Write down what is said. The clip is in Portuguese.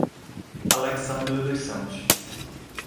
Alexsandro dos Santos